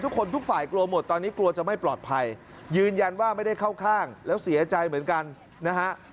ทุกฝ่ายกลัวหมดตอนนี้กลัวจะไม่ปลอดภัยยืนยันว่าไม่ได้เข้าข้างแล้วเสียใจเหมือนกันนะฮะ